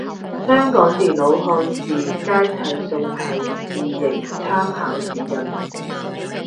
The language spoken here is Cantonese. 香港電腦漢字楷體宋體字形參考指引